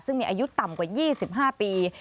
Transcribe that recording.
ซึ่งมีอายุต่ำกว่า๒๕ปี